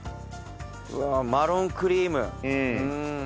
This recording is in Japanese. うわマロンクリーム。